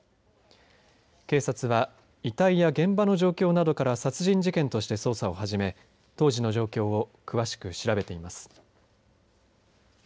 警察は遺体や現場の状況などから殺人事件として捜査を始め当時の状況を詳しく調べています。